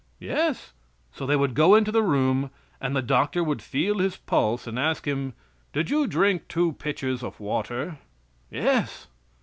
"Yes." So they would go into the room and the doctor would feel his pulse and ask him: "Did you drink two pitchers of water?" "Yes."